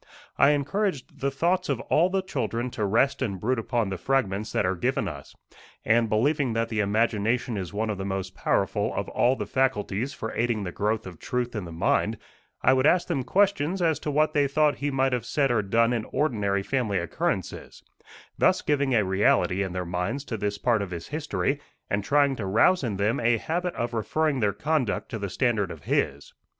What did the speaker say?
I encouraged the thoughts of all the children to rest and brood upon the fragments that are given us, and, believing that the imagination is one of the most powerful of all the faculties for aiding the growth of truth in the mind, I would ask them questions as to what they thought he might have said or done in ordinary family occurrences, thus giving a reality in their minds to this part of his history, and trying to rouse in them a habit of referring their conduct to the standard of his.